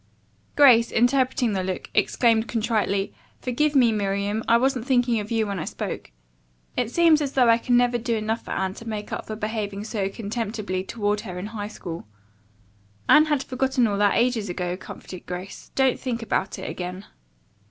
Grace, interpreting the look, exclaimed contritely: "Forgive me, Miriam. I wasn't thinking of you when I spoke." "I know it," replied Miriam. "It seems as though I can never do enough for Anne to make up for behaving so contemptibly toward her in high school." "Anne had forgotten all that, ages ago," comforted Grace. "Don't think about it again."